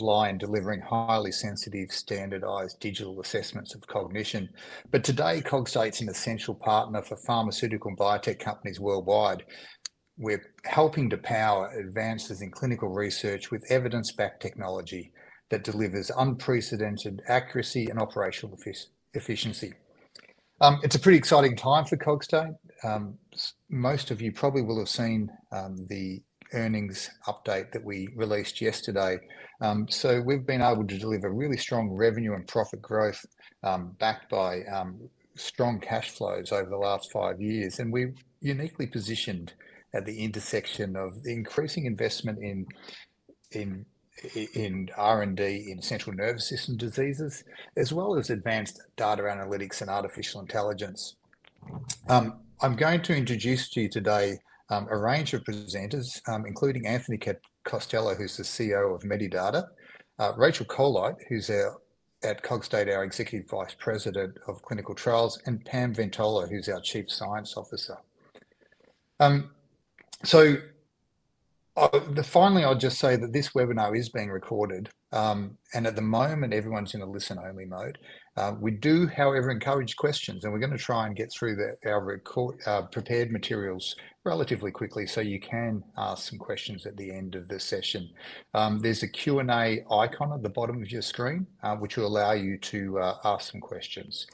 Lion delivering highly sensitive, standardized digital assessments of cognition. Today, Cogstate's an essential partner for pharmaceutical and biotech companies worldwide. We're helping to power advances in clinical research with evidence-backed technology that delivers unprecedented accuracy and operational efficiency. It's a pretty exciting time for Cogstate. Most of you probably will have seen the earnings update that we released yesterday. We've been able to deliver really strong revenue and profit growth backed by strong cash flows over the last five years. We're uniquely positioned at the intersection of increasing investment in R&D in central nervous system diseases, as well as advanced data analytics and artificial intelligence. I'm going to introduce to you today a range of presenters, including Anthony Costello, who's the CEO of Medidata, Rachel Colite, who's at Cogstate, our Executive Vice President of Clinical Trials, and Pam Ventola, who's our Chief Science Officer. Finally, I'll just say that this webinar is being recorded, and at the moment, everyone's in a listen-only mode. We do, however, encourage questions, and we're going to try and get through our prepared materials relatively quickly, so you can ask some questions at the end of the session. There's a Q&A icon at the bottom of your screen, which will allow you to ask some questions.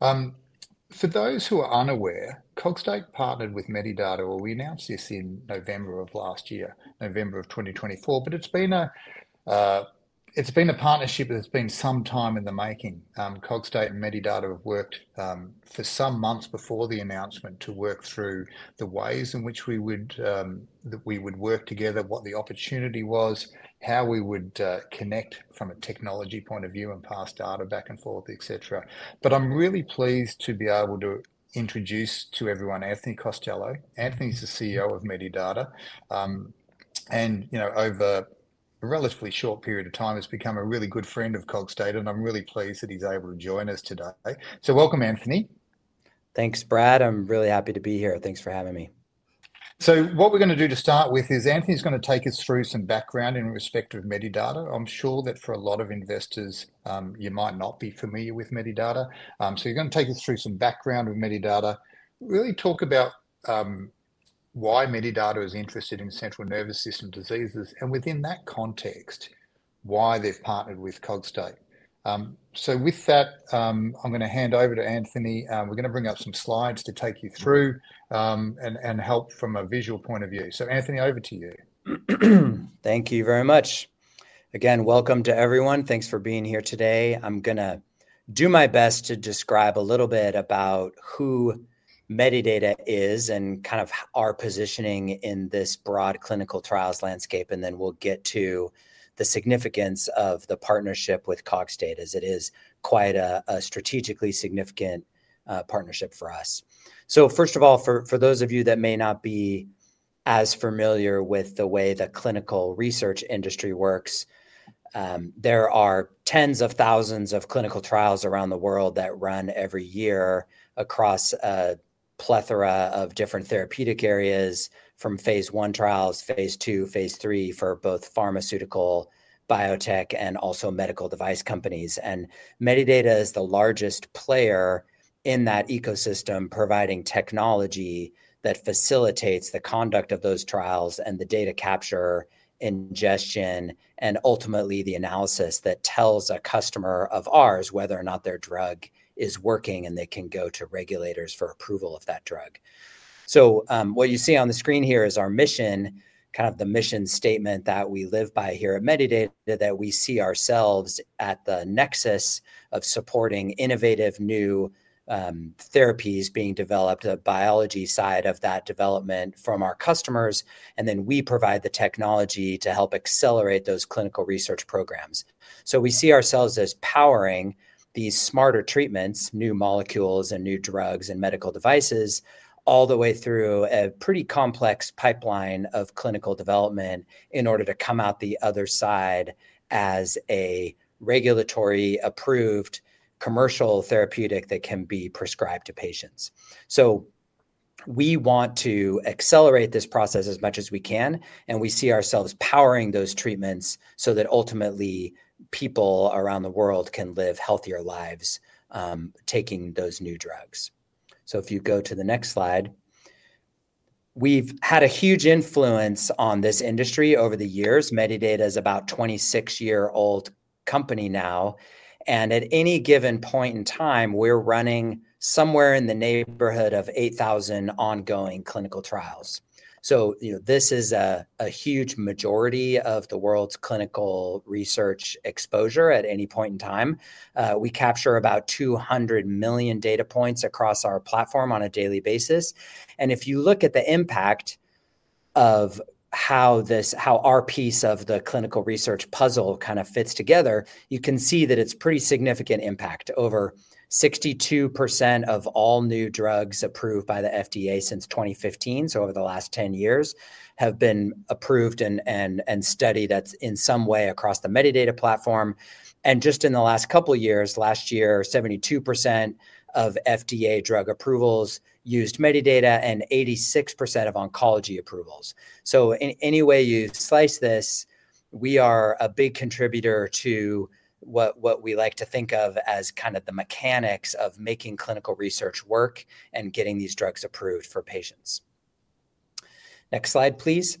For those who are unaware, Cogstate partnered with Medidata, or we announced this in November of last year, November of 2024, but it's been a partnership that's been some time in the making. Cogstate-Medidata have worked for some months before the announcement to work through the ways in which we would work together, what the opportunity was, how we would connect from a technology point of view and pass data back and forth, etc. I'm really pleased to be able to introduce to everyone Anthony Costello. Anthony's the CEO of Medidata, and over a relatively short period of time, has become a really good friend of Cogstate, and I'm really pleased that he's able to join us today. Welcome, Anthony. Thanks, Brad. I'm really happy to be here. Thanks for having me. What we're going to do to start with is Anthony's going to take us through some background in respect of Medidata. I'm sure that for a lot of investors, you might not be familiar with Medidata. You're going to take us through some background with Medidata, really talk about why Medidata is interested in central nervous system diseases, and within that context, why they've partnered with Cogstate. With that, I'm going to hand over to Anthony. We're going to bring up some slides to take you through and help from a visual point of view. Anthony, over to you. Thank you very much. Again, welcome to everyone. Thanks for being here today. I'm going to do my best to describe a little bit about who Medidata is and kind of our positioning in this broad clinical trials landscape, and then we'll get to the significance of the partnership with Cogstate as it is quite a strategically significant partnership for us. First of all, for those of you that may not be as familiar with the way the clinical research industry works, there are tens of thousands of clinical trials around the world that run every year across a plethora of different therapeutic areas from phase I trials, phase II, phase III for both pharmaceutical, biotech, and also medical device companies. Medidata is the largest player in that ecosystem, providing technology that facilitates the conduct of those trials and the data capture, ingestion, and ultimately the analysis that tells a customer of ours whether or not their drug is working and they can go to regulators for approval of that drug. What you see on the screen here is our mission, kind of the mission statement that we live by here at Medidata, that we see ourselves at the nexus of supporting innovative new therapies being developed, the biology side of that development from our customers, and then we provide the technology to help accelerate those clinical research programs. We see ourselves as powering these smarter treatments, new molecules and new drugs and medical devices, all the way through a pretty complex pipeline of clinical development in order to come out the other side as a regulatory-approved commercial therapeutic that can be prescribed to patients. We want to accelerate this process as much as we can, and we see ourselves powering those treatments so that ultimately people around the world can live healthier lives taking those new drugs. If you go to the next slide, we've had a huge influence on this industry over the years. Medidata is about a 26-year-old company now, and at any given point in time, we're running somewhere in the neighborhood of 8,000 ongoing clinical trials. This is a huge majority of the world's clinical research exposure at any point in time. We capture about 200 million data points across our platform on a daily basis. If you look at the impact of how our piece of the clinical research puzzle kind of fits together, you can see that it is a pretty significant impact. Over 62% of all new drugs approved by the FDA since 2015, so over the last 10 years, have been approved and studied in some way across the Medidata platform. Just in the last couple of years, last year, 72% of FDA drug approvals used Medidata and 86% of oncology approvals. In any way you slice this, we are a big contributor to what we like to think of as kind of the mechanics of making clinical research work and getting these drugs approved for patients. Next slide, please.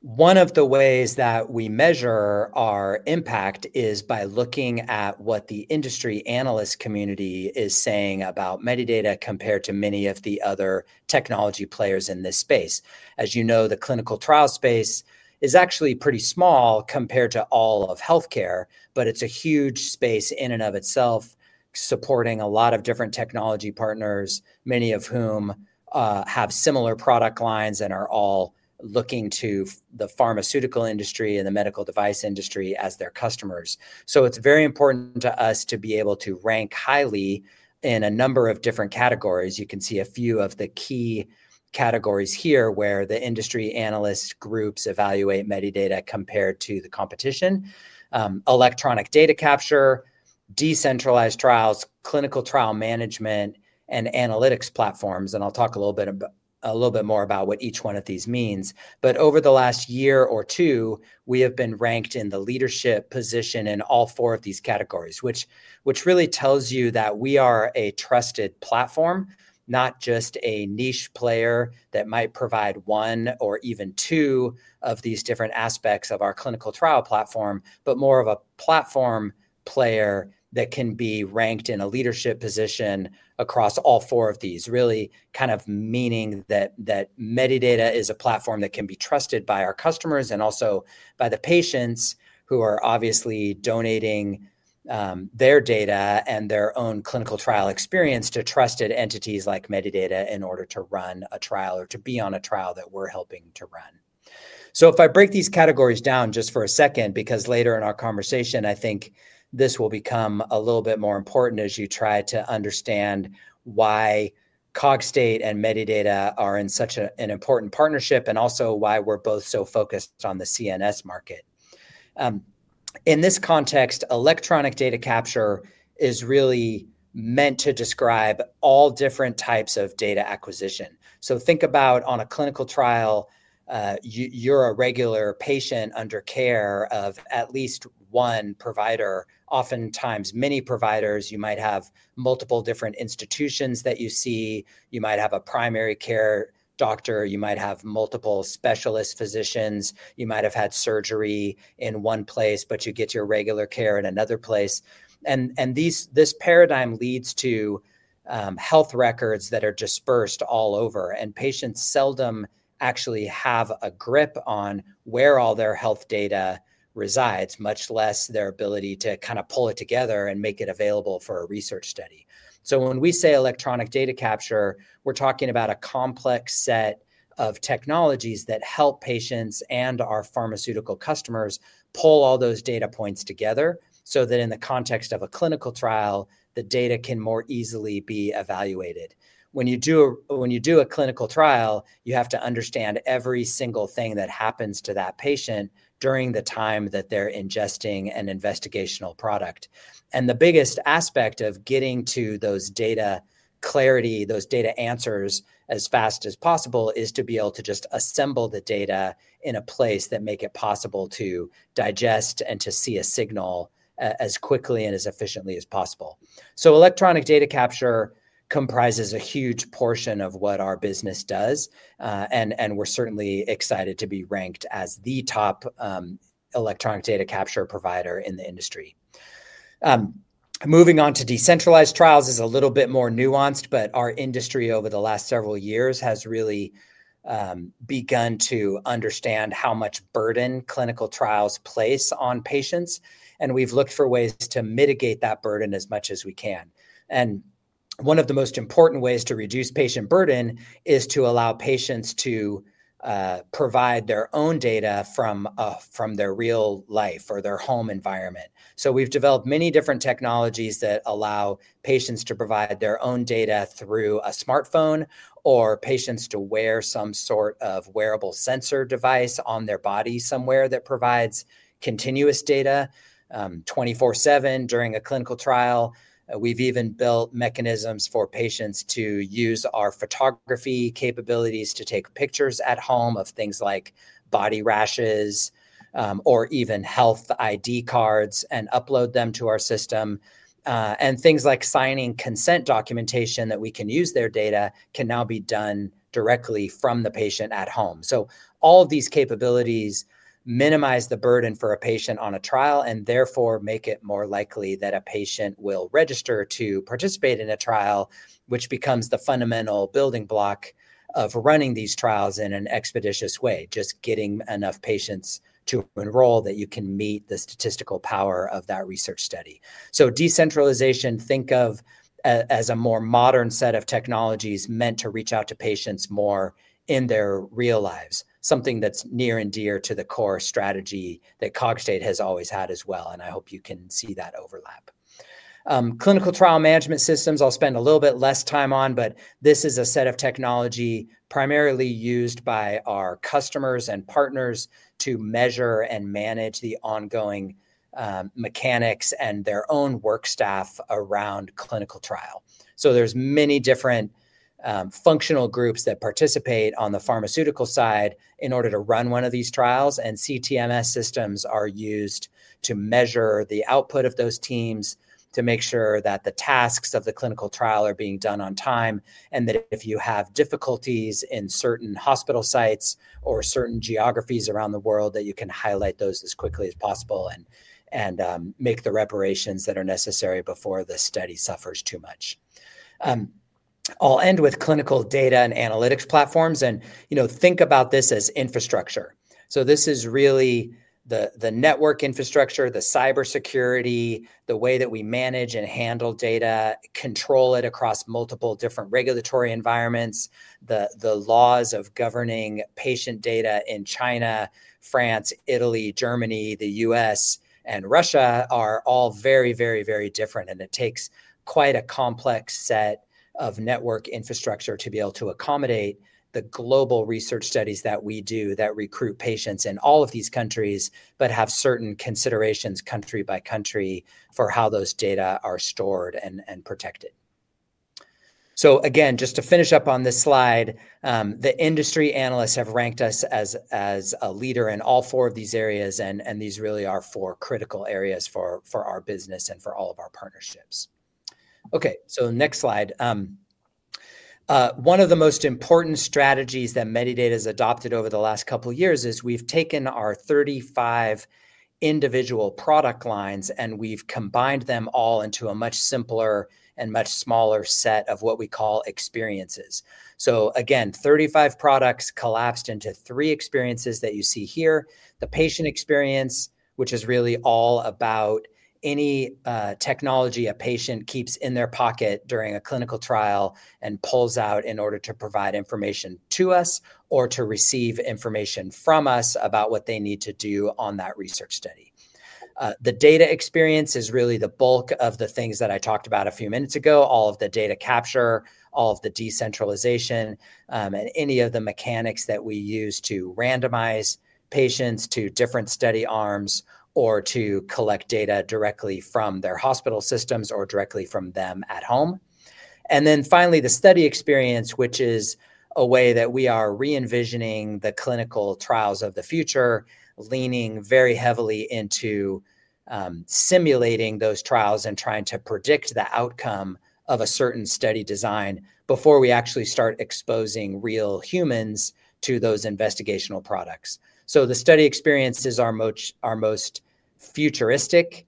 One of the ways that we measure our impact is by looking at what the industry analyst community is saying about Medidata compared to many of the other technology players in this space. As you know, the clinical trial space is actually pretty small compared to all of healthcare, but it is a huge space in and of itself, supporting a lot of different technology partners, many of whom have similar product lines and are all looking to the pharmaceutical industry and the medical device industry as their customers. It is very important to us to be able to rank highly in a number of different categories. You can see a few of the key categories here where the industry analyst groups evaluate Medidata compared to the competition: electronic data capture, decentralized trials, clinical trial management, and analytics platforms. I'll talk a little bit more about what each one of these means. Over the last year or two, we have been ranked in the leadership position in all four of these categories, which really tells you that we are a trusted platform, not just a niche player that might provide one or even two of these different aspects of our clinical trial platform, but more of a platform player that can be ranked in a leadership position across all four of these, really kind of meaning that Medidata is a platform that can be trusted by our customers and also by the patients who are obviously donating their data and their own clinical trial experience to trusted entities like Medidata in order to run a trial or to be on a trial that we're helping to run. If I break these categories down just for a second, because later in our conversation, I think this will become a little bit more important as you try to understand why Cogstate and Medidata are in such an important partnership and also why we're both so focused on the CNS market. In this context, electronic data capture is really meant to describe all different types of data acquisition. Think about on a clinical trial, you're a regular patient under care of at least one provider, oftentimes many providers. You might have multiple different institutions that you see. You might have a primary care doctor. You might have multiple specialist physicians. You might have had surgery in one place, but you get your regular care in another place. This paradigm leads to health records that are dispersed all over, and patients seldom actually have a grip on where all their health data resides, much less their ability to kind of pull it together and make it available for a research study. When we say electronic data capture, we're talking about a complex set of technologies that help patients and our pharmaceutical customers pull all those data points together so that in the context of a clinical trial, the data can more easily be evaluated. When you do a clinical trial, you have to understand every single thing that happens to that patient during the time that they're ingesting an investigational product. The biggest aspect of getting to those data clarity, those data answers as fast as possible, is to be able to just assemble the data in a place that makes it possible to digest and to see a signal as quickly and as efficiently as possible. Electronic data capture comprises a huge portion of what our business does, and we're certainly excited to be ranked as the top electronic data capture provider in the industry. Moving on to decentralized trials is a little bit more nuanced, but our industry over the last several years has really begun to understand how much burden clinical trials place on patients, and we've looked for ways to mitigate that burden as much as we can. One of the most important ways to reduce patient burden is to allow patients to provide their own data from their real life or their home environment. We have developed many different technologies that allow patients to provide their own data through a smartphone or patients to wear some sort of wearable sensor device on their body somewhere that provides continuous data 24/7 during a clinical trial. We have even built mechanisms for patients to use our photography capabilities to take pictures at home of things like body rashes or even health ID cards and upload them to our system. Things like signing consent documentation that we can use their data can now be done directly from the patient at home. All of these capabilities minimize the burden for a patient on a trial and therefore make it more likely that a patient will register to participate in a trial, which becomes the fundamental building block of running these trials in an expeditious way, just getting enough patients to enroll that you can meet the statistical power of that research study. Decentralization, think of as a more modern set of technologies meant to reach out to patients more in their real lives, something that's near and dear to the core strategy that Cogstate has always had as well, and I hope you can see that overlap. Clinical trial management systems, I'll spend a little bit less time on, but this is a set of technology primarily used by our customers and partners to measure and manage the ongoing mechanics and their own work staff around clinical trial. There are many different functional groups that participate on the pharmaceutical side in order to run one of these trials, and CTMS systems are used to measure the output of those teams to make sure that the tasks of the clinical trial are being done on time and that if you have difficulties in certain hospital sites or certain geographies around the world, you can highlight those as quickly as possible and make the reparations that are necessary before the study suffers too much. I will end with clinical data and analytics platforms, and think about this as infrastructure. This is really the network infrastructure, the cybersecurity, the way that we manage and handle data, control it across multiple different regulatory environments. The laws of governing patient data in China, France, Italy, Germany, the U.S., and Russia are all very, very, very different, and it takes quite a complex set of network infrastructure to be able to accommodate the global research studies that we do that recruit patients in all of these countries, but have certain considerations country by country for how those data are stored and protected. Again, just to finish up on this slide, the industry analysts have ranked us as a leader in all four of these areas, and these really are four critical areas for our business and for all of our partnerships. Okay, next slide. One of the most important strategies that Medidata has adopted over the last couple of years is we've taken our 35 individual product lines and we've combined them all into a much simpler and much smaller set of what we call experiences. Again, 35 products collapsed into three experiences that you see here. The patient experience, which is really all about any technology a patient keeps in their pocket during a clinical trial and pulls out in order to provide information to us or to receive information from us about what they need to do on that research study. The data experience is really the bulk of the things that I talked about a few minutes ago, all of the data capture, all of the decentralization, and any of the mechanics that we use to randomize patients to different study arms or to collect data directly from their hospital systems or directly from them at home. Finally, the study experience, which is a way that we are re-envisioning the clinical trials of the future, leaning very heavily into simulating those trials and trying to predict the outcome of a certain study design before we actually start exposing real humans to those investigational products. The study experience is our most futuristic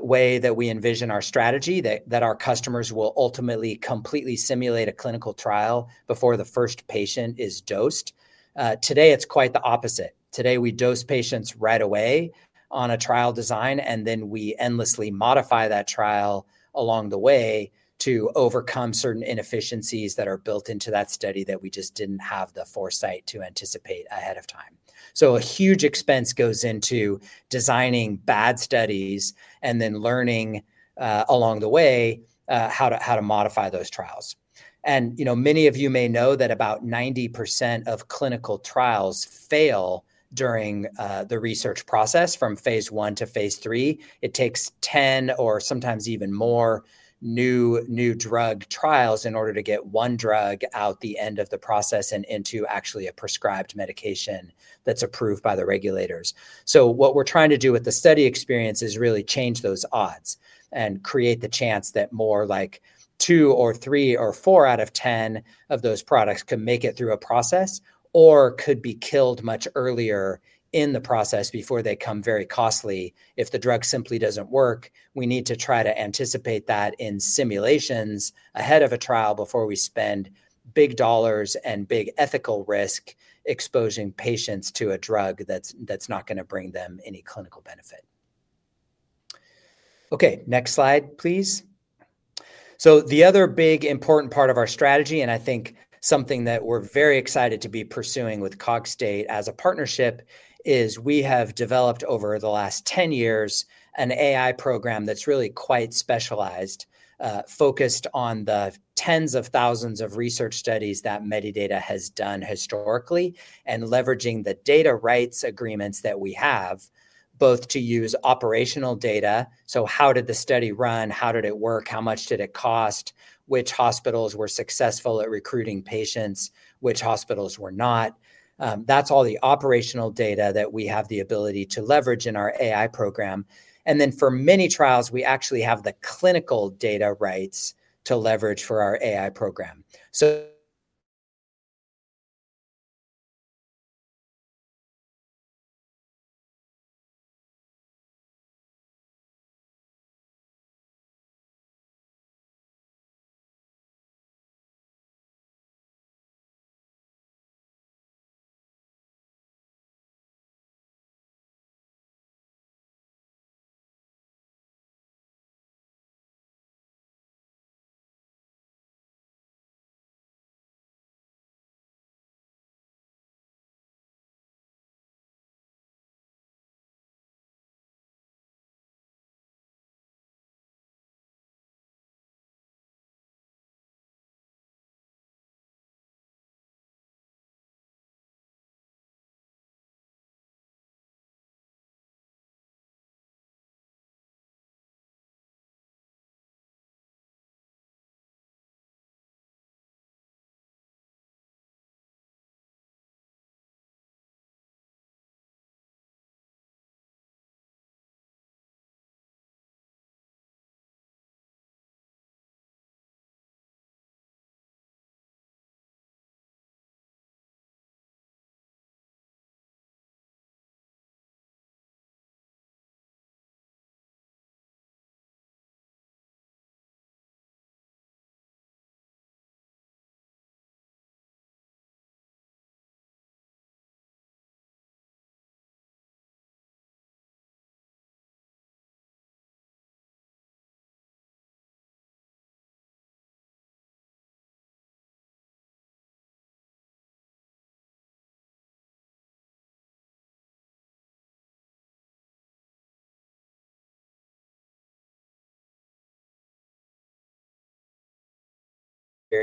way that we envision our strategy, that our customers will ultimately completely simulate a clinical trial before the first patient is dosed. Today, it's quite the opposite. Today, we dose patients right away on a trial design, and then we endlessly modify that trial along the way to overcome certain inefficiencies that are built into that study that we just did not have the foresight to anticipate ahead of time. A huge expense goes into designing bad studies and then learning along the way how to modify those trials. Many of you may know that about 90% of clinical trials fail during the research process from phase I to phase III. It takes 10 or sometimes even more new drug trials in order to get one drug out the end of the process and into actually a prescribed medication that is approved by the regulators. What we're trying to do with the study experience is really change those odds and create the chance that more like two or three or four out of 10 of those products could make it through a process or could be killed much earlier in the process before they become very costly if the drug simply doesn't work. We need to try to anticipate that in simulations ahead of a trial before we spend big dollars and big ethical risk exposing patients to a drug that's not going to bring them any clinical benefit. Okay, next slide, please. The other big important part of our strategy, and I think something that we're very excited to be pursuing with Cogstate as a partnership, is we have developed over the last 10 years an AI program that's really quite specialized, focused on the tens of thousands of research studies that Medidata has done historically and leveraging the data rights agreements that we have, both to use operational data. How did the study run? How did it work? How much did it cost? Which hospitals were successful at recruiting patients? Which hospitals were not? That's all the operational data that we have the ability to leverage in our AI program. For many trials, we actually have the clinical data rights to leverage for our AI program. Experience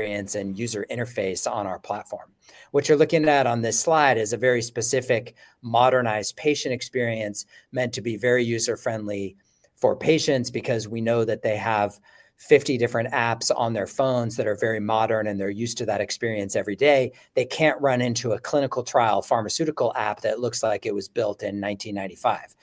and user interface on our platform. What you're looking at on this slide is a very specific modernized patient experience meant to be very user-friendly for patients because we know that they have 50 different apps on their phones that are very modern, and they're used to that experience every day. They can't run into a clinical trial pharmaceutical app that looks like it was built in 1995.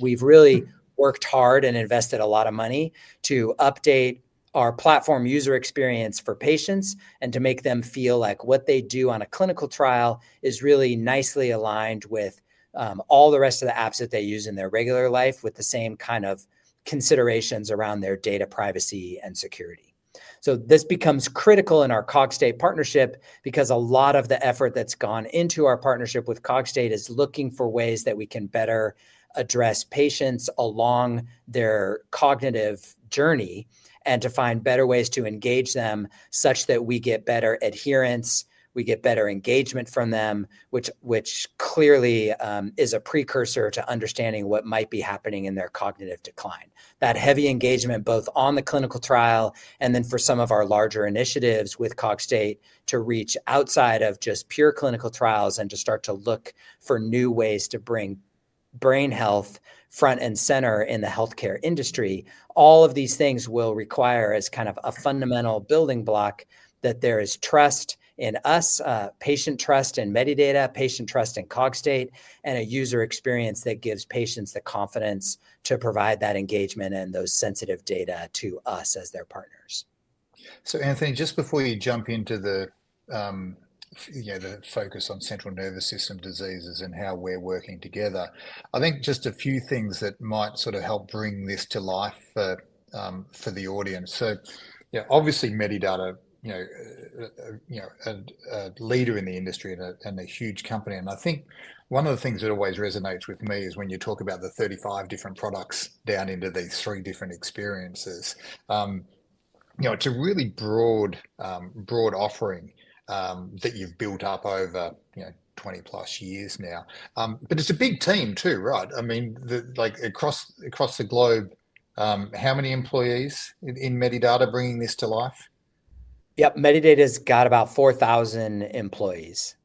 We have really worked hard and invested a lot of money to update our platform user experience for patients and to make them feel like what they do on a clinical trial is really nicely aligned with all the rest of the apps that they use in their regular life with the same kind of considerations around their data privacy and security. This becomes critical in our Cogstate partnership because a lot of the effort that's gone into our partnership with Cogstate is looking for ways that we can better address patients along their cognitive journey and to find better ways to engage them such that we get better adherence, we get better engagement from them, which clearly is a precursor to understanding what might be happening in their cognitive decline. That heavy engagement both on the clinical trial and then for some of our larger initiatives with Cogstate to reach outside of just pure clinical trials and to start to look for new ways to bring brain health front and center in the healthcare industry. All of these things will require as kind of a fundamental building block that there is trust in us, patient trust in Medidata, patient trust in Cogstate, and a user experience that gives patients the confidence to provide that engagement and those sensitive data to us as their partners. Anthony, just before you jump into the focus on central nervous system diseases and how we're working together, I think just a few things that might sort of help bring this to life for the audience. Obviously, Medidata is a leader in the industry and a huge company. I think one of the things that always resonates with me is when you talk about the 35 different products down into these three different experiences, it's a really broad offering that you've built up over 20+ years now. It's a big team too, right? I mean, across the globe, how many employees in Medidata bringing this to life? Yep, Medidata's got about 4,000 employees.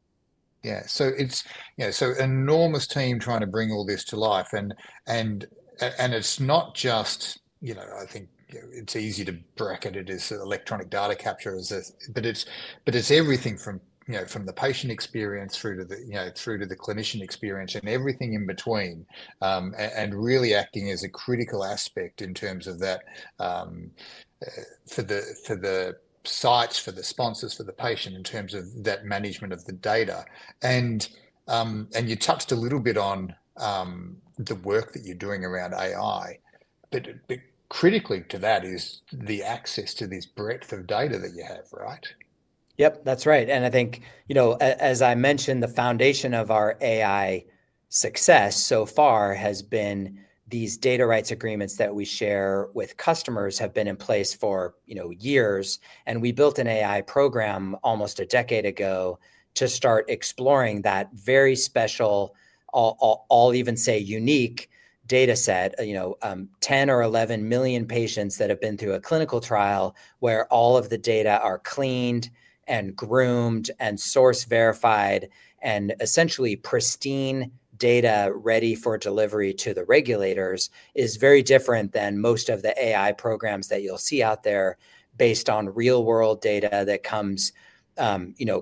Yeah, so it's an enormous team trying to bring all this to life. It's not just, I think it's easy to bracket it as electronic data capture, but it's everything from the patient experience through to the clinician experience and everything in between and really acting as a critical aspect in terms of that for the sites, for the sponsors, for the patient in terms of that management of the data. You touched a little bit on the work that you're doing around AI, but critically to that is the access to this breadth of data that you have, right? Yep, that's right. I think, as I mentioned, the foundation of our AI success so far has been these data rights agreements that we share with customers have been in place for years. We built an AI program almost a decade ago to start exploring that very special, I'll even say unique data set, 10 million or 11 million patients that have been through a clinical trial where all of the data are cleaned and groomed and source verified and essentially pristine data ready for delivery to the regulators is very different than most of the AI programs that you'll see out there based on real-world data that comes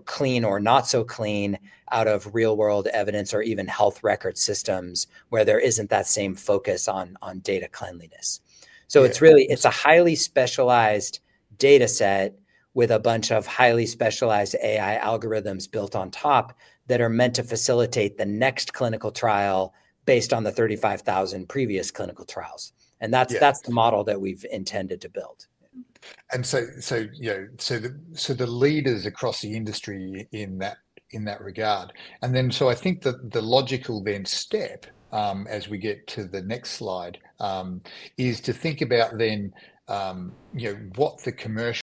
clean or not so clean out of real-world evidence or even health record systems where there isn't that same focus on data cleanliness. It's a highly specialized data set with a bunch of highly specialized AI algorithms built on top that are meant to facilitate the next clinical trial based on the 35,000 previous clinical trials. That's the model that we've intended to build. The leaders across the industry in that regard. I think that the logical then step as we get to the next slide is to think about then what the commercial.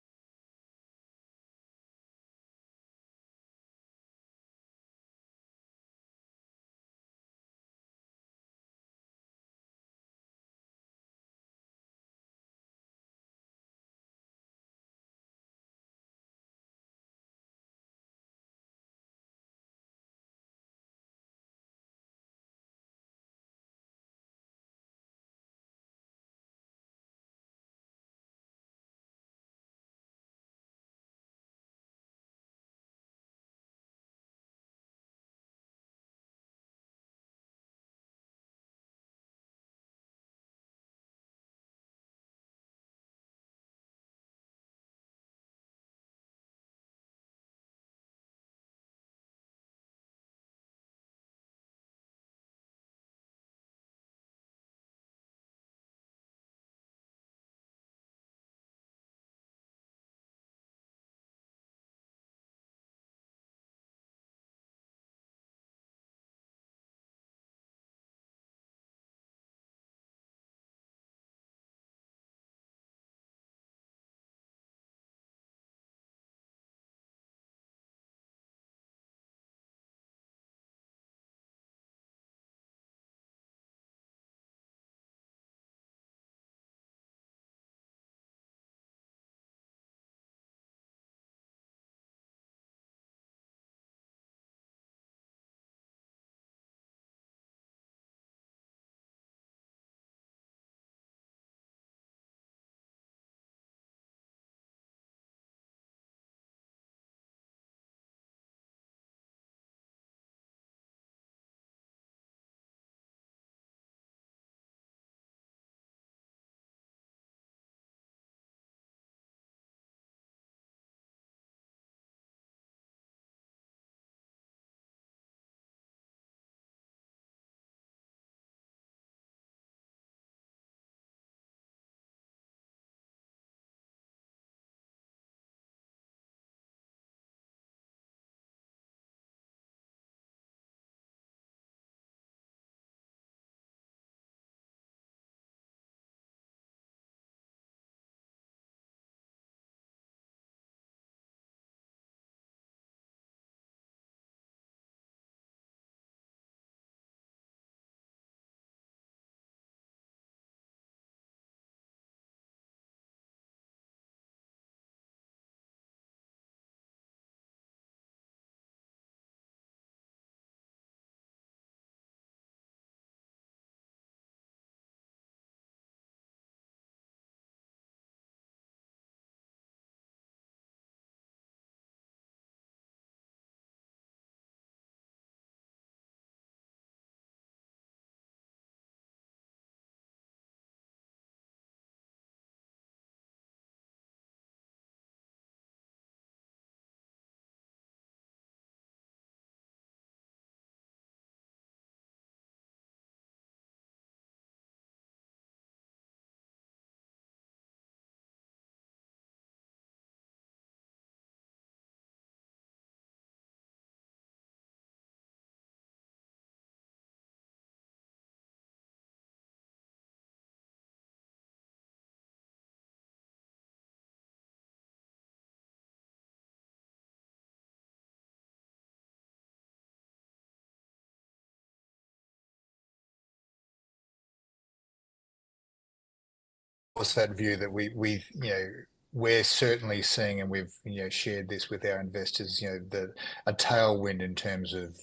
I also had a view that we're certainly seeing, and we've shared this with our investors, a tailwind in terms of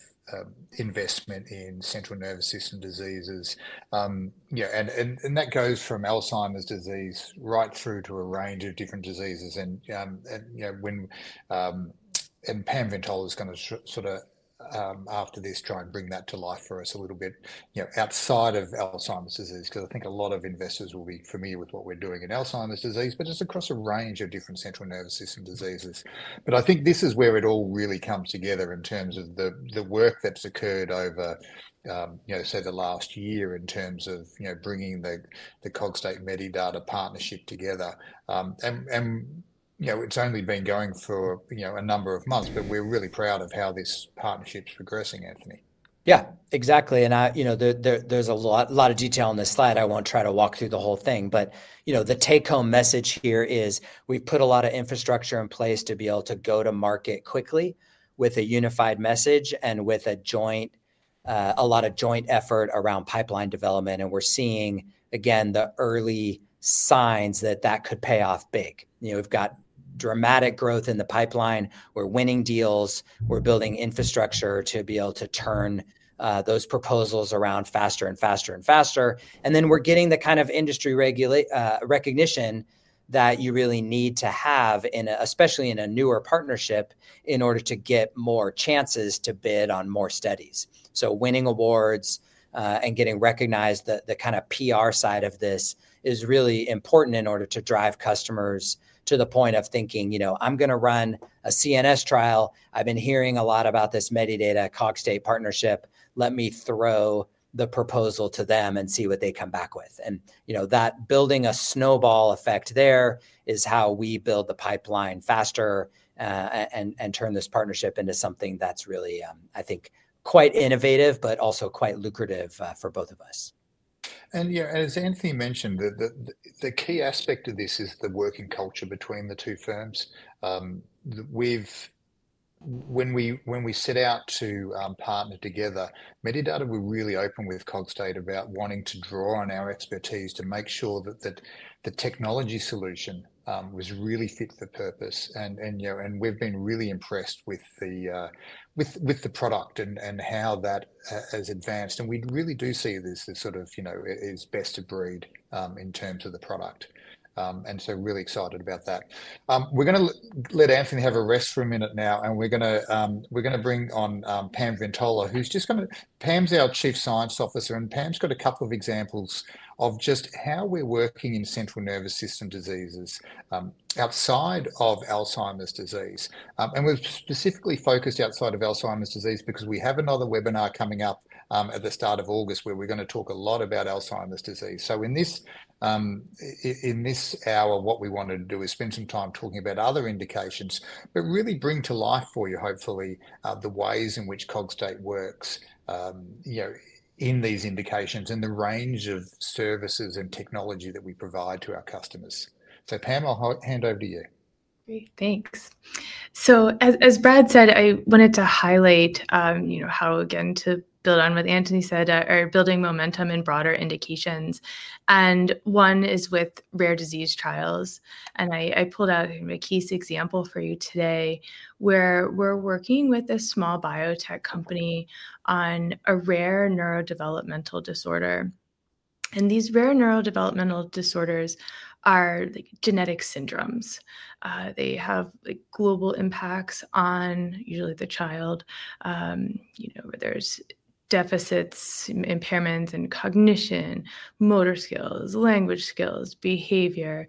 investment in central nervous system diseases. That goes from Alzheimer's disease right through to a range of different diseases. Pam Ventola is going to sort of, after this, try and bring that to life for us a little bit outside of Alzheimer's disease because I think a lot of investors will be familiar with what we're doing in Alzheimer's disease, but it's across a range of different central nervous system diseases. I think this is where it all really comes together in terms of the work that's occurred over, say, the last year in terms of bringing the Cogstate-Medidata partnership together. It's only been going for a number of months, but we're really proud of how this partnership's progressing, Anthony. Yeah, exactly. There's a lot of detail on this slide. I won't try to walk through the whole thing. The take-home message here is we've put a lot of infrastructure in place to be able to go to market quickly with a unified message and with a lot of joint effort around pipeline development. We're seeing, again, the early signs that that could pay off big. We've got dramatic growth in the pipeline. We're winning deals. We're building infrastructure to be able to turn those proposals around faster and faster and faster. We're getting the kind of industry recognition that you really need to have, especially in a newer partnership, in order to get more chances to bid on more studies. Winning awards and getting recognized, the kind of PR side of this is really important in order to drive customers to the point of thinking, "I'm going to run a CNS trial. I've been hearing a lot about this Medidata-Cogstate partnership. Let me throw the proposal to them and see what they come back with. That building a snowball effect there is how we build the pipeline faster and turn this partnership into something that's really, I think, quite innovative, but also quite lucrative for both of us. As Anthony mentioned, the key aspect of this is the working culture between the two firms. When we set out to partner together, Medidata were really open with Cogstate about wanting to draw on our expertise to make sure that the technology solution was really fit for purpose. We've been really impressed with the product and how that has advanced. We really do see this as sort of, it's best of breed in terms of the product. Really excited about that. We're going to let Anthony have a rest for a minute now, and we're going to bring on Pam Ventola, who's just coming. Pam's our Chief Science Officer, and Pam's got a couple of examples of just how we're working in central nervous system diseases outside of Alzheimer's disease. We've specifically focused outside of Alzheimer's disease because we have another webinar coming up at the start of August where we're going to talk a lot about Alzheimer's disease. In this hour, what we wanted to do is spend some time talking about other indications, but really bring to life for you, hopefully, the ways in which Cogstate works in these indications and the range of services and technology that we provide to our customers. Pam, I'll hand over to you. Great, thanks .As Brad said, I wanted to highlight how, again, to build on what Anthony said, are building momentum in broader indications. One is with rare disease trials. I pulled out a case example for you today where we're working with a small biotech company on a rare neurodevelopmental disorder. These rare neurodevelopmental disorders are genetic syndromes. They have global impacts on usually the child. There's deficits, impairments in cognition, motor skills, language skills, behavior.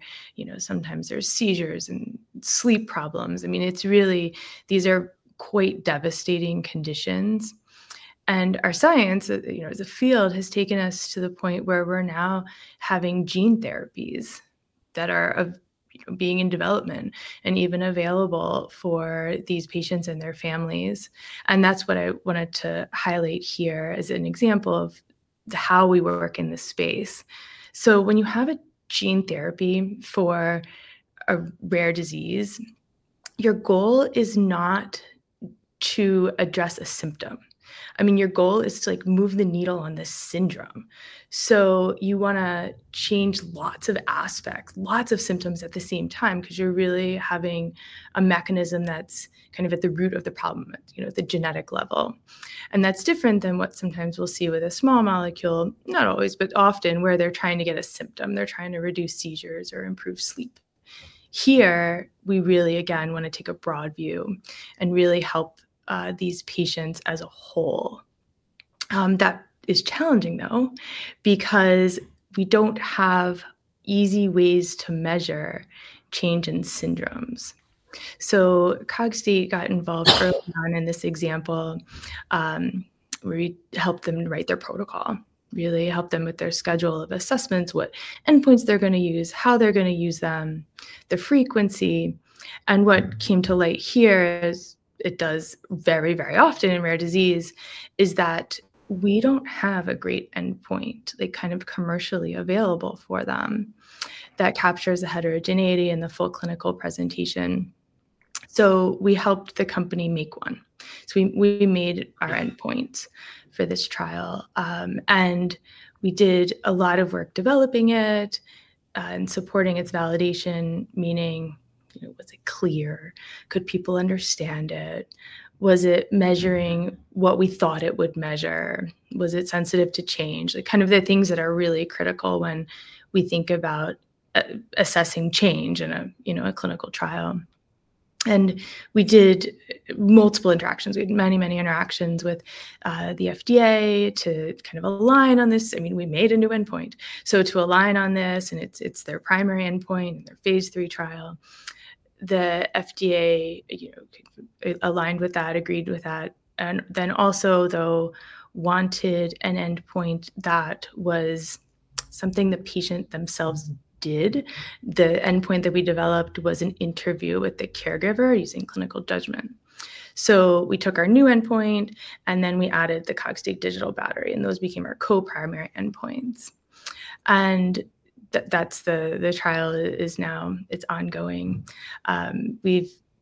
Sometimes there's seizures and sleep problems. I mean, these are quite devastating conditions. Our science, as a field, has taken us to the point where we're now having gene therapies that are being in development and even available for these patients and their families. That's what I wanted to highlight here as an example of how we work in this space. When you have a gene therapy for a rare disease, your goal is not to address a symptom. I mean, your goal is to move the needle on this syndrome. You want to change lots of aspects, lots of symptoms at the same time because you're really having a mechanism that's kind of at the root of the problem at the genetic level. That's different than what sometimes we'll see with a small molecule, not always, but often, where they're trying to get a symptom. They're trying to reduce seizures or improve sleep. Here, we really, again, want to take a broad view and really help these patients as a whole. That is challenging, though, because we don't have easy ways to measure change in syndromes. Cogstate got involved early on in this example where we helped them write their protocol, really helped them with their schedule of assessments, what endpoints they're going to use, how they're going to use them, the frequency. What came to light here, as it does very, very often in rare disease, is that we don't have a great endpoint, kind of commercially available for them that captures the heterogeneity and the full clinical presentation. We helped the company make one. We made our endpoints for this trial. We did a lot of work developing it and supporting its validation, meaning, was it clear? Could people understand it? Was it measuring what we thought it would measure? Was it sensitive to change? Kind of the things that are really critical when we think about assessing change in a clinical trial. We did multiple interactions. We had many, many interactions with the FDA to kind of align on this. I mean, we made a new endpoint. To align on this, and it's their primary endpoint in their phase III trial, the FDA aligned with that, agreed with that. Also, though, wanted an endpoint that was something the patient themselves did. The endpoint that we developed was an interview with the caregiver using clinical judgment. We took our new endpoint, and then we added the Cogstate Digital Battery, and those became our co-primary endpoints. The trial is now, it's ongoing.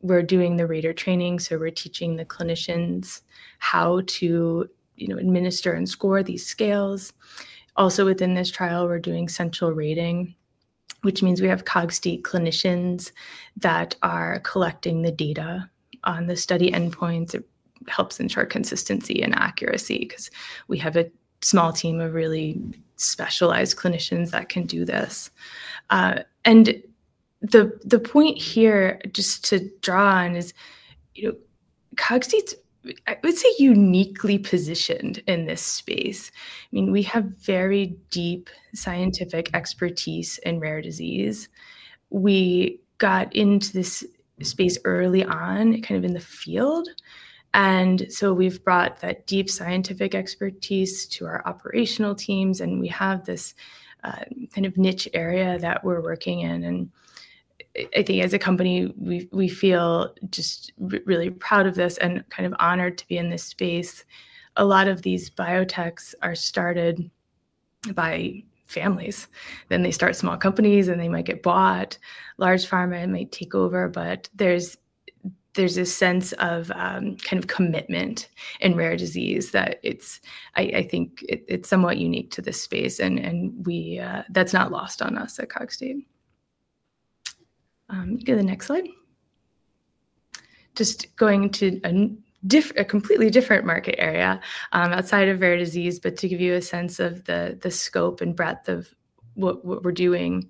We're doing the reader training, so we're teaching the clinicians how to administer and score these scales. Also within this trial, we're doing central rating, which means we have Cogstate clinicians that are collecting the data on the study endpoints. It helps ensure consistency and accuracy because we have a small team of really specialized clinicians that can do this. The point here, just to draw on, is Cogstate's, I would say, uniquely positioned in this space. I mean, we have very deep scientific expertise in rare disease. We got into this space early on, kind of in the field. We have brought that deep scientific expertise to our operational teams, and we have this kind of niche area that we're working in. I think as a company, we feel just really proud of this and kind of honored to be in this space. A lot of these biotechs are started by families. They start small companies, and they might get bought. Large pharma might take over, but there's a sense of kind of commitment in rare disease that I think is somewhat unique to this space, and that's not lost on us at Cogstate. Go to the next slide. Just going to a completely different market area outside of rare disease, but to give you a sense of the scope and breadth of what we're doing.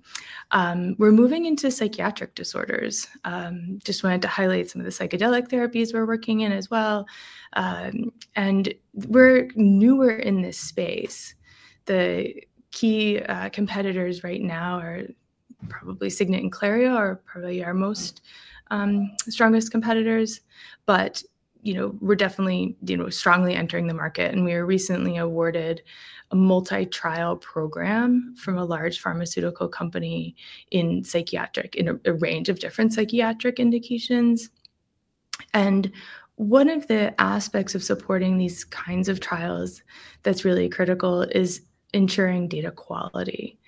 We're moving into psychiatric disorders. Just wanted to highlight some of the psychedelic therapies we're working in as well. We're newer in this space. The key competitors right now are probably Signant and Clario, are probably our most strongest competitors. We're definitely strongly entering the market, and we were recently awarded a multi-trial program from a large pharmaceutical company in psychiatric, in a range of different psychiatric indications. One of the aspects of supporting these kinds of trials that's really critical is ensuring data quality.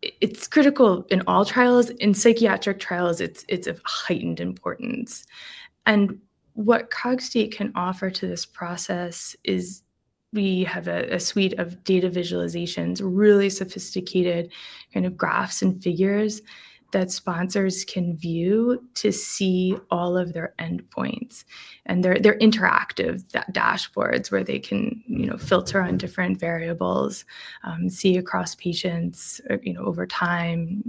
It's critical in all trials. In psychiatric trials, it's of heightened importance. What Cogstate can offer to this process is we have a suite of data visualizations, really sophisticated kind of graphs and figures that sponsors can view to see all of their endpoints. They are interactive dashboards where they can filter on different variables, see across patients over time,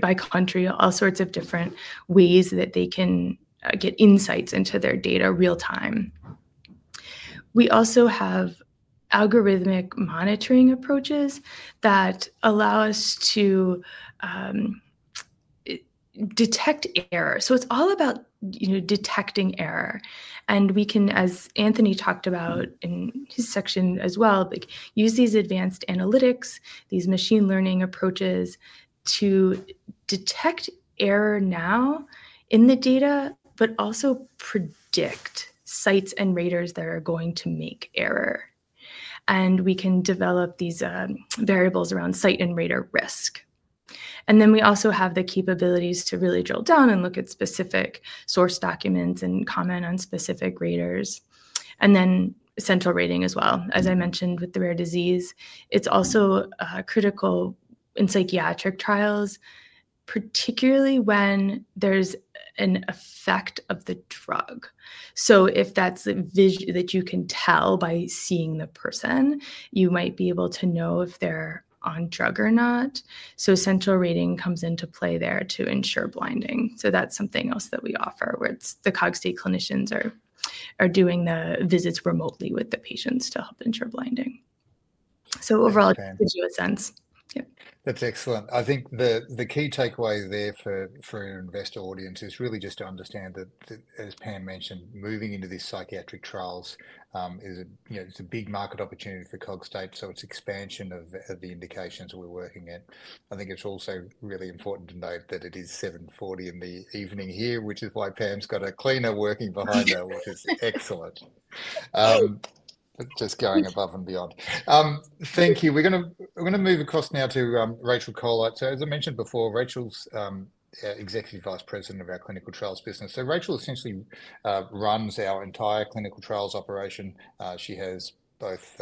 by country, all sorts of different ways that they can get insights into their data real-time. We also have algorithmic monitoring approaches that allow us to detect error. It's all about detecting error. We can, as Anthony talked about in his section as well, use these advanced analytics, these machine learning approaches to detect error now in the data, but also predict sites and raters that are going to make error. We can develop these variables around site and rater risk. We also have the capabilities to really drill down and look at specific source documents and comment on specific raters. Central rating as well, as I mentioned with the rare disease, is also critical in psychiatric trials, particularly when there is an effect of the drug. If that is the vision that you can tell by seeing the person, you might be able to know if they are on drug or not. Central rating comes into play there to ensure blinding. That's something else that we offer where the Cogstate clinicians are doing the visits remotely with the patients to help ensure blinding. Overall, it gives you a sense. That's excellent. I think the key takeaway there for our investor audience is really just to understand that, as Pam mentioned, moving into these psychiatric trials is a big market opportunity for Cogstate. It's expansion of the indications we're working in. I think it's also really important to note that it is 7:40 in the evening here, which is why Pam's got a cleaner working behind her, which is excellent. Just going above and beyond. Thank you. We're going to move across now to Rachel Colite. As I mentioned before, Rachel is Executive Vice President of our clinical trials business. Rachel essentially runs our entire clinical trials operation. She has both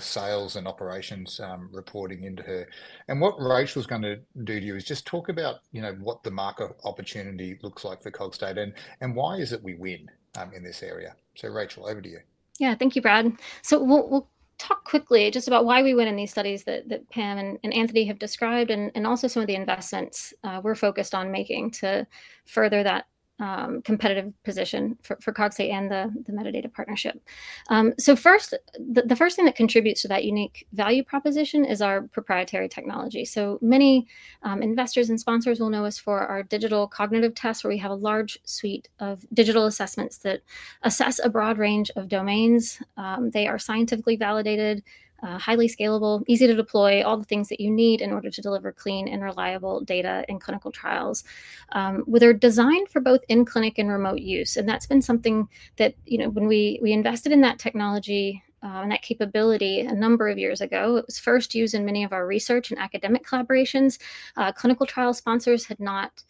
sales and operations reporting into her. What Rachel's going to do is just talk about what the market opportunity looks like for Cogstate and why it is we win in this area. Rachel, over to you. Yeah, thank you, Brad. We'll talk quickly just about why we win in these studies that Pam and Anthony have described and also some of the investments we're focused on making to further that competitive position for Cogstate and the Medidata partnership. First, the first thing that contributes to that unique value proposition is our proprietary technology. Many investors and sponsors will know us for our digital cognitive tests where we have a large suite of digital assessments that assess a broad range of domains. They are scientifically validated, highly scalable, easy to deploy, all the things that you need in order to deliver clean and reliable data in clinical trials. They're designed for both in-clinic and remote use. That's been something that when we invested in that technology and that capability a number of years ago, it was first used in many of our research and academic collaborations. Clinical trial sponsors had not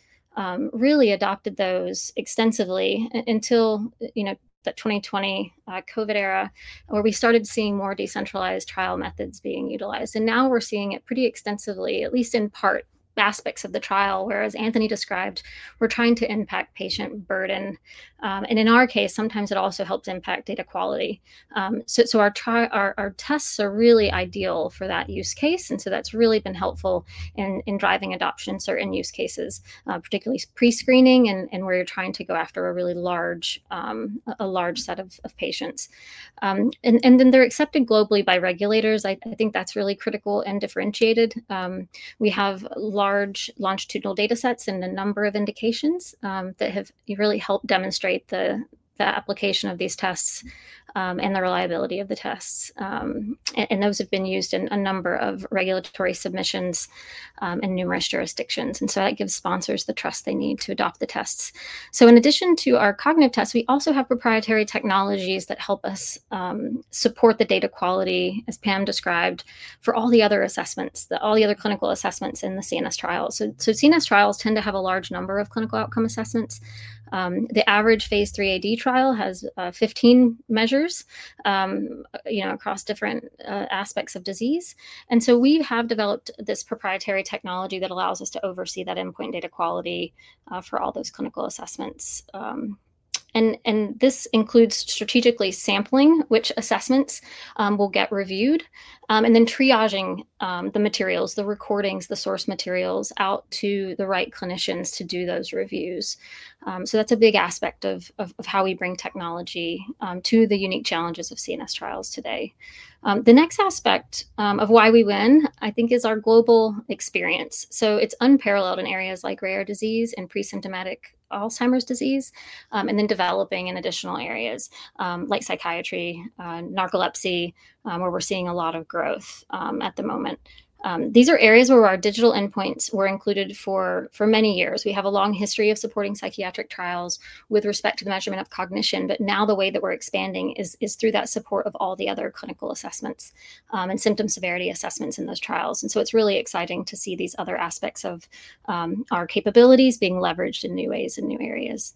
really adopted those extensively until the 2020 COVID era where we started seeing more decentralized trial methods being utilized. Now we're seeing it pretty extensively, at least in part, aspects of the trial, whereas Anthony described, we're trying to impact patient burden. In our case, sometimes it also helps impact data quality. Our tests are really ideal for that use case. That's really been helpful in driving adoption in certain use cases, particularly pre-screening and where you're trying to go after a really large set of patients. They're accepted globally by regulators. I think that's really critical and differentiated. We have large longitudinal data sets and a number of indications that have really helped demonstrate the application of these tests and the reliability of the tests. Those have been used in a number of regulatory submissions in numerous jurisdictions. That gives sponsors the trust they need to adopt the tests. In addition to our cognitive tests, we also have proprietary technologies that help us support the data quality, as Pam described, for all the other assessments, all the other clinical assessments in the CNS trials. CNS trials tend to have a large number of clinical outcome assessments. The average phase three AD trial has 15 measures across different aspects of disease. We have developed this proprietary technology that allows us to oversee that endpoint data quality for all those clinical assessments. This includes strategically sampling which assessments will get reviewed, and then triaging the materials, the recordings, the source materials out to the right clinicians to do those reviews. That is a big aspect of how we bring technology to the unique challenges of CNS trials today. The next aspect of why we win, I think, is our global experience. It is unparalleled in areas like rare disease and pre-symptomatic Alzheimer's disease, and then developing in additional areas like psychiatry, narcolepsy, where we are seeing a lot of growth at the moment. These are areas where our digital endpoints were included for many years. We have a long history of supporting psychiatric trials with respect to the measurement of cognition, but now the way that we are expanding is through that support of all the other clinical assessments and symptom severity assessments in those trials. It is really exciting to see these other aspects of our capabilities being leveraged in new ways and new areas.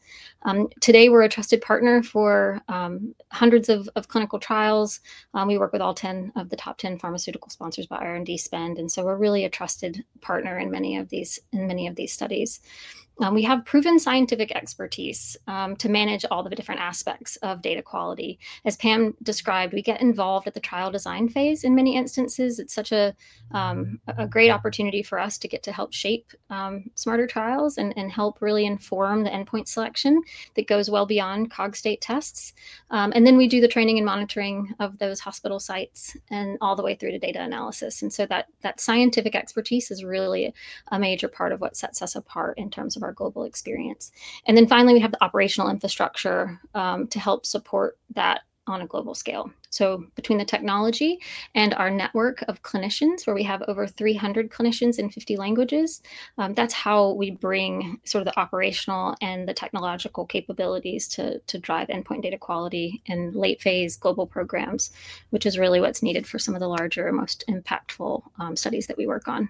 Today, we are a trusted partner for hundreds of clinical trials. We work with all 10 of the top 10 pharmaceutical sponsors by R&D spend. We are really a trusted partner in many of these studies. We have proven scientific expertise to manage all the different aspects of data quality. As Pam described, we get involved at the trial design phase in many instances. It is such a great opportunity for us to get to help shape smarter trials and help really inform the endpoint selection that goes well beyond Cogstate tests. We do the training and monitoring of those hospital sites and all the way through to data analysis. That scientific expertise is really a major part of what sets us apart in terms of our global experience. Finally, we have the operational infrastructure to help support that on a global scale. Between the technology and our network of clinicians, where we have over 300 clinicians in 50 languages, that's how we bring the operational and the technological capabilities to drive endpoint data quality in late-phase global programs, which is really what's needed for some of the larger and most impactful studies that we work on.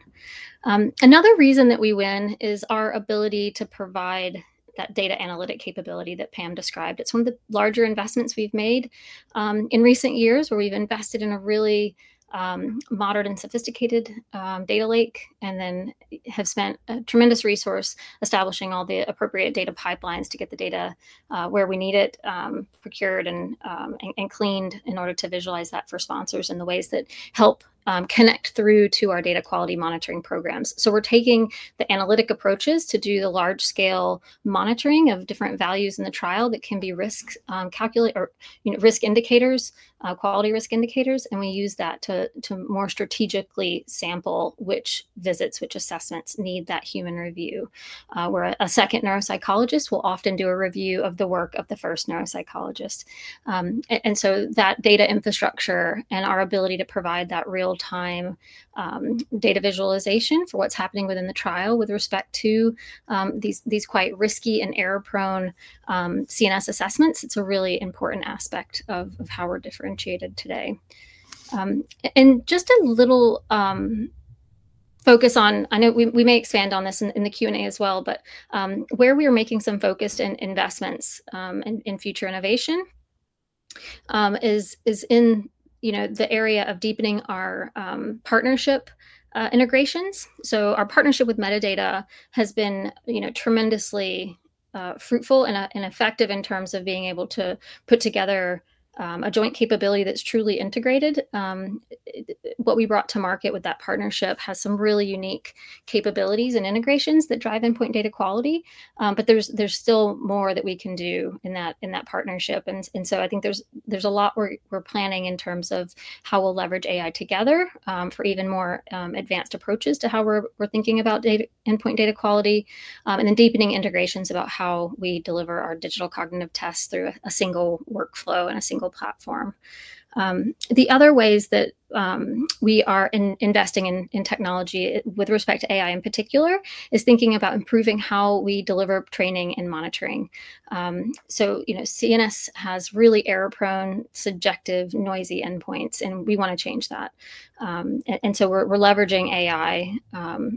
Another reason that we win is our ability to provide that data analytic capability that Pam described. It's one of the larger investments we've made in recent years where we've invested in a really modern and sophisticated data lake and then have spent a tremendous resource establishing all the appropriate data pipelines to get the data where we need it procured and cleaned in order to visualize that for sponsors in the ways that help connect through to our data quality monitoring programs. We're taking the analytic approaches to do the large-scale monitoring of different values in the trial that can be risk indicators, quality risk indicators, and we use that to more strategically sample which visits, which assessments need that human review, where a second neuropsychologist will often do a review of the work of the first neuropsychologist. That data infrastructure and our ability to provide that real-time data visualization for what's happening within the trial with respect to these quite risky and error-prone CNS assessments, it's a really important aspect of how we're differentiated today. Just a little focus on, I know we may expand on this in the Q&A as well, where we are making some focused investments in future innovation is in the area of deepening our partnership integrations. Our partnership with Medidata has been tremendously fruitful and effective in terms of being able to put together a joint capability that's truly integrated. What we brought to market with that partnership has some really unique capabilities and integrations that drive endpoint data quality, but there's still more that we can do in that partnership. I think there's a lot we're planning in terms of how we'll leverage AI together for even more advanced approaches to how we're thinking about endpoint data quality and then deepening integrations about how we deliver our digital cognitive tests through a single workflow and a single platform. The other ways that we are investing in technology with respect to AI in particular is thinking about improving how we deliver training and monitoring. CNS has really error-prone, subjective, noisy endpoints, and we want to change that. We are leveraging AI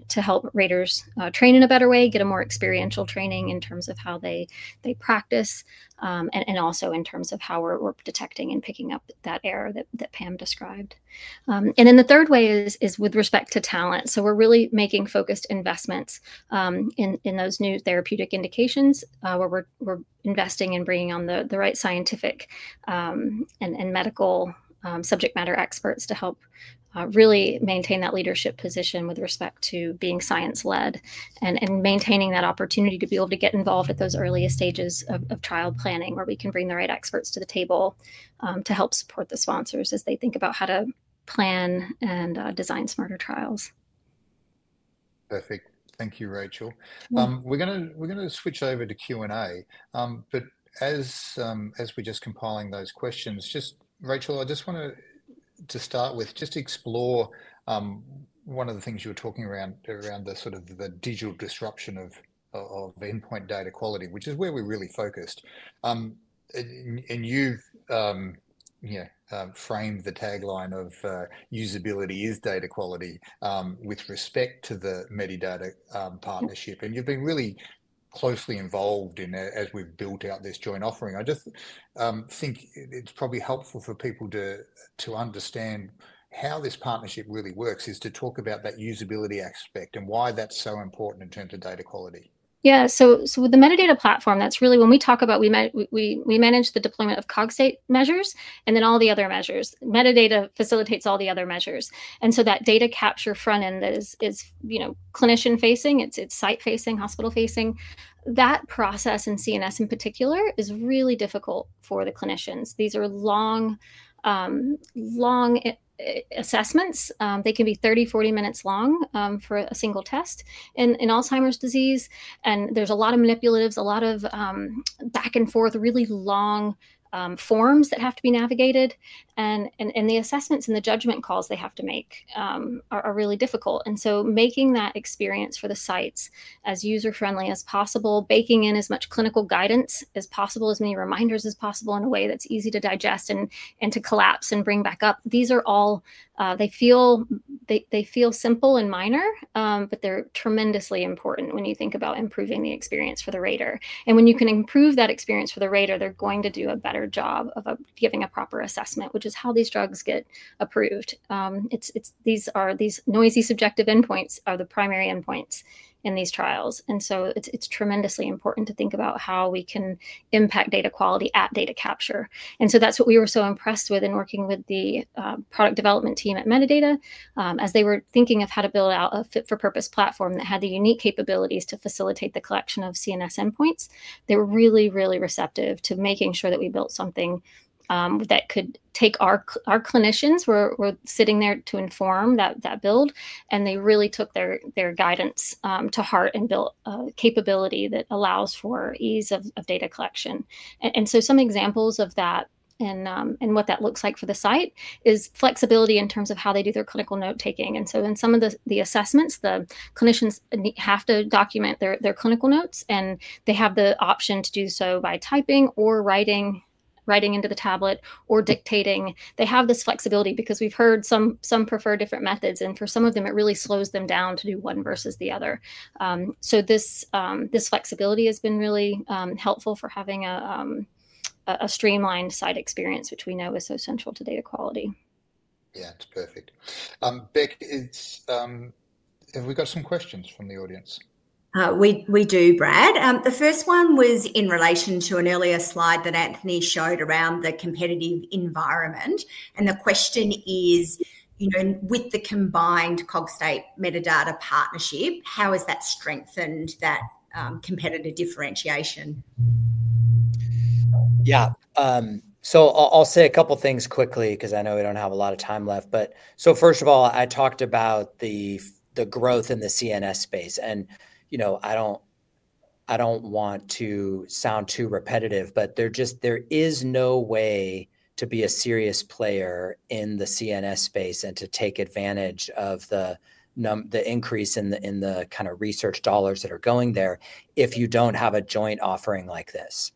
to help raters train in a better way, get a more experiential training in terms of how they practice, and also in terms of how we're detecting and picking up that error that Pam described. The third way is with respect to talent. We're really making focused investments in those new therapeutic indications where we're investing in bringing on the right scientific and medical subject matter experts to help really maintain that leadership position with respect to being science-led and maintaining that opportunity to be able to get involved at those earliest stages of trial planning where we can bring the right experts to the table to help support the sponsors as they think about how to plan and design smarter trials. Perfect. Thank you, Rachel. We're going to switch over to Q&A. As we're just compiling those questions, Rachel, I just want to start with just explore one of the things you were talking around the sort of digital disruption of endpoint data quality, which is where we're really focused. You've framed the tagline of usability is data quality with respect to the Medidata partnership. You've been really closely involved in it as we've built out this joint offering. I just think it's probably helpful for people to understand how this partnership really works is to talk about that usability aspect and why that's so important in terms of data quality. Yeah. With the Medidata platform, that's really when we talk about we manage the deployment of Cogstate measures and then all the other measures. Medidata facilitates all the other measures. That data capture front end is clinician-facing, it's site-facing, hospital-facing. That process in CNS in particular is really difficult for the clinicians. These are long assessments. They can be 30 minutes, 40 minutes long for a single test in Alzheimer's disease. There's a lot of manipulatives, a lot of back-and-forth, really long forms that have to be navigated. The assessments and the judgment calls they have to make are really difficult. Making that experience for the sites as user-friendly as possible, baking in as much clinical guidance as possible, as many reminders as possible in a way that's easy to digest and to collapse and bring back up, these all feel simple and minor, but they're tremendously important when you think about improving the experience for the rater. When you can improve that experience for the rater, they're going to do a better job of giving a proper assessment, which is how these drugs get approved. These noisy subjective endpoints are the primary endpoints in these trials. It is tremendously important to think about how we can impact data quality at data capture. That is what we were so impressed with in working with the product development team at Medidata. As they were thinking of how to build out a fit-for-purpose platform that had the unique capabilities to facilitate the collection of CNS endpoints, they were really, really receptive to making sure that we built something that could take our clinicians who were sitting there to inform that build. They really took their guidance to heart and built a capability that allows for ease of data collection. Some examples of that and what that looks like for the site is flexibility in terms of how they do their clinical note-taking. In some of the assessments, the clinicians have to document their clinical notes, and they have the option to do so by typing or writing into the tablet or dictating. They have this flexibility because we've heard some prefer different methods. For some of them, it really slows them down to do one versus the other. This flexibility has been really helpful for having a streamlined site experience, which we know is so central to data quality. Yeah, it's perfect. Beck, have we got some questions from the audience? We do, Brad. The first one was in relation to an earlier slide that Anthony showed around the competitive environment. The question is, with the combined Cogstate-Medidata partnership, how has that strengthened that competitive differentiation? Yeah. I'll say a couple of things quickly because I know we don't have a lot of time left. First of all, I talked about the growth in the CNS space. I don't want to sound too repetitive, but there is no way to be a serious player in the CNS space and to take advantage of the increase in the kind of research dollars that are going there if you do not have a joint offering like this.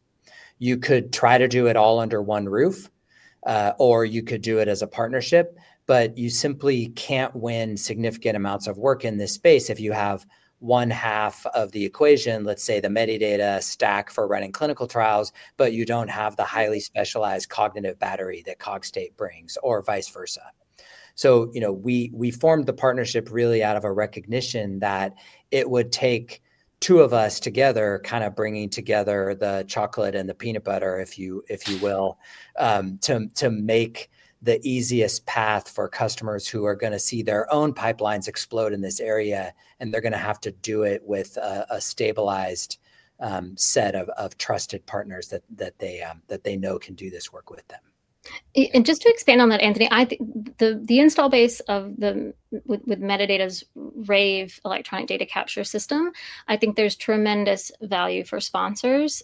You could try to do it all under one roof, or you could do it as a partnership, but you simply cannot win significant amounts of work in this space if you have one half of the equation, let's say the Medidata stack for running clinical trials, but you do not have the highly specialized cognitive battery that Cogstate brings or vice versa. We formed the partnership really out of a recognition that it would take two of us together, kind of bringing together the chocolate and the peanut butter, if you will, to make the easiest path for customers who are going to see their own pipelines explode in this area, and they're going to have to do it with a stabilized set of trusted partners that they know can do this work with them. Just to expand on that, Anthony, the install base with Medidata's Rave electronic data capture system, I think there's tremendous value for sponsors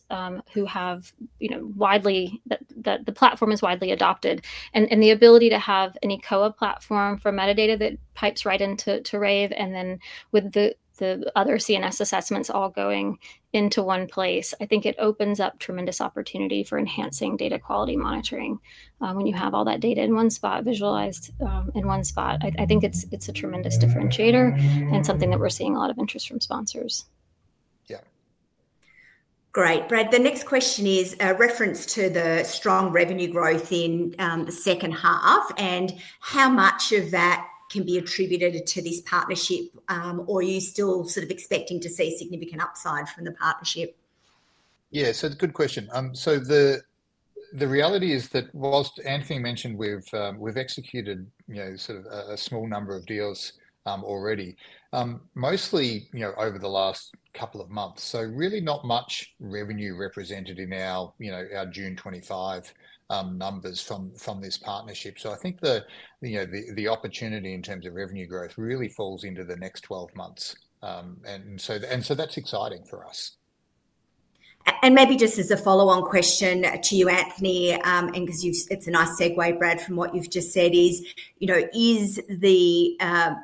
who have widely—the platform is widely adopted. The ability to have any co-op platform for metadata that pipes right into Rave and then with the other CNS assessments all going into one place, I think it opens up tremendous opportunity for enhancing data quality monitoring when you have all that data in one spot, visualized in one spot. I think it's a tremendous differentiator and something that we're seeing a lot of interest from sponsors. Yeah. Great. Brad, the next question is a reference to the strong revenue growth in the second half and how much of that can be attributed to this partnership, or are you still sort of expecting to see significant upside from the partnership? Yeah, so it's a good question. The reality is that whilst Anthony mentioned we've executed sort of a small number of deals already, mostly over the last couple of months. Really not much revenue represented in our June 25 numbers from this partnership. I think the opportunity in terms of revenue growth really falls into the next 12 months. That is exciting for us. Maybe just as a follow-on question to you, Anthony, and it is a nice segue, Brad, from what you have just said, is the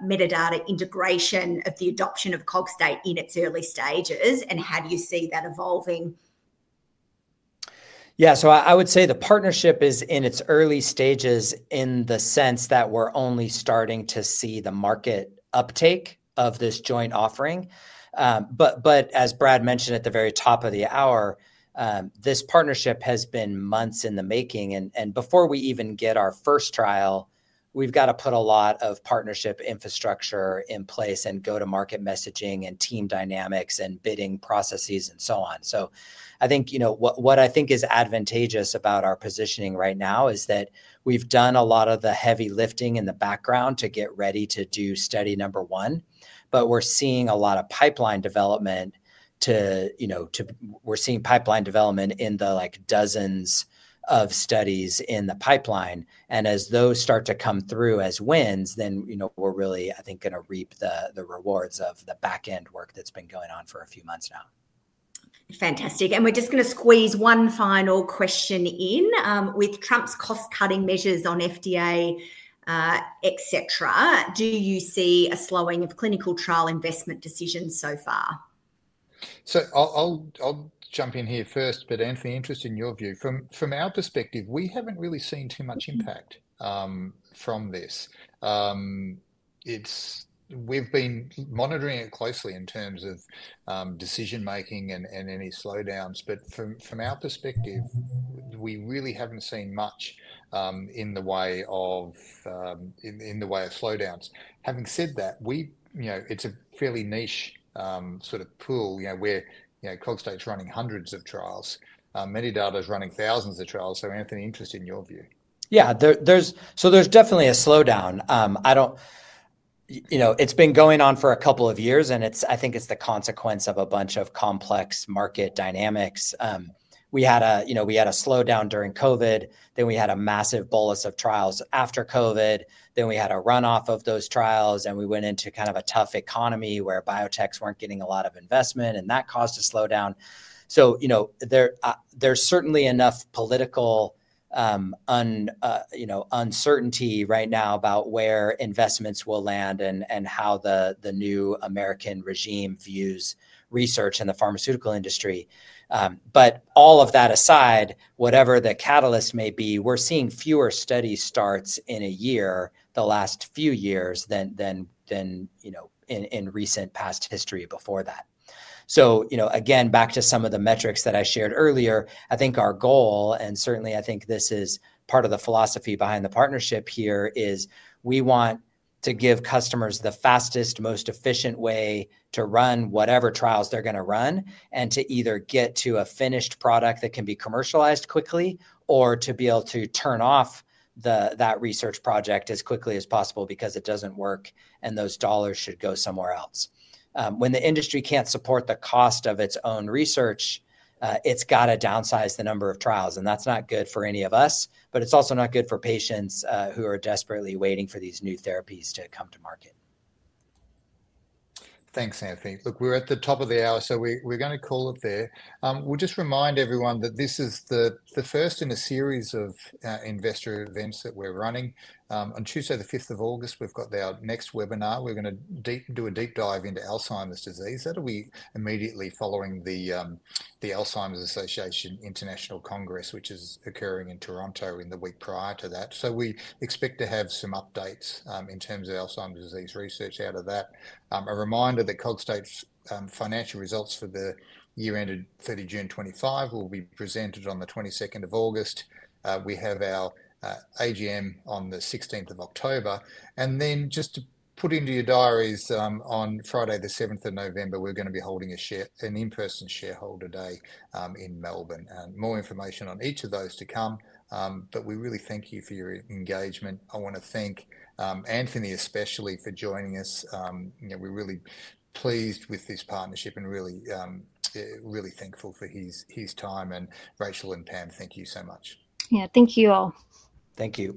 Medidata integration of the adoption of Cogstate in its early stages, and how do you see that evolving? Yeah, I would say the partnership is in its early stages in the sense that we are only starting to see the market uptake of this joint offering. As Brad mentioned at the very top of the hour, this partnership has been months in the making. Before we even get our first trial, we've got to put a lot of partnership infrastructure in place and go-to-market messaging and team dynamics and bidding processes and so on. I think what I think is advantageous about our positioning right now is that we've done a lot of the heavy lifting in the background to get ready to do study number one, but we're seeing a lot of pipeline development too. We're seeing pipeline development in the dozens of studies in the pipeline. As those start to come through as wins, then we're really, I think, going to reap the rewards of the back-end work that's been going on for a few months now. Fantastic. We're just going to squeeze one final question in. With Trump's cost-cutting measures on FDA, etc., do you see a slowing of clinical trial investment decisions so far? I'll jump in here first, but Anthony, interesting your view. From our perspective, we haven't really seen too much impact from this. We've been monitoring it closely in terms of decision-making and any slowdowns. From our perspective, we really haven't seen much in the way of slowdowns. Having said that, it's a fairly niche sort of pool where Cogstate's running hundreds of trials. Medidata's running thousands of trials. Anthony, interested in your view. Yeah. There's definitely a slowdown. It's been going on for a couple of years, and I think it's the consequence of a bunch of complex market dynamics. We had a slowdown during COVID. Then we had a massive bolus of trials after COVID. Then we had a run-off of those trials, and we went into kind of a tough economy where biotechs weren't getting a lot of investment, and that caused a slowdown. There is certainly enough political uncertainty right now about where investments will land and how the new American regime views research and the pharmaceutical industry. All of that aside, whatever the catalyst may be, we're seeing fewer study starts in a year the last few years than in recent past history before that. Again, back to some of the metrics that I shared earlier, I think our goal, and certainly I think this is part of the philosophy behind the partnership here, is we want to give customers the fastest, most efficient way to run whatever trials they're going to run and to either get to a finished product that can be commercialized quickly or to be able to turn off that research project as quickly as possible because it doesn't work and those dollars should go somewhere else. When the industry can't support the cost of its own research, it's got to downsize the number of trials. That's not good for any of us, but it's also not good for patients who are desperately waiting for these new therapies to come to market. Thanks, Anthony. Look, we're at the top of the hour, so we're going to call it there. We'll just remind everyone that this is the first in a series of investor events that we're running. On Tuesday, the 5th of August, we've got our next webinar. We're going to do a deep dive into Alzheimer's disease. That'll be immediately following the Alzheimer's Association International Congress, which is occurring in Toronto in the week prior to that. We expect to have some updates in terms of Alzheimer's disease research out of that. A reminder that Cogstate's financial results for the year-end 30 June 2025 will be presented on the 22nd of August. We have our AGM on the 16th of October. Just to put into your diaries, on Friday, the 7th of November, we're going to be holding an in-person shareholder day in Melbourne. More information on each of those to come. We really thank you for your engagement. I want to thank Anthony especially for joining us. We're really pleased with this partnership and really thankful for his time. Rachel and Pam, thank you so much. Yeah, thank you all. Thank you.